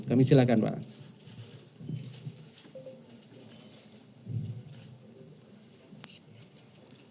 kami silahkan pak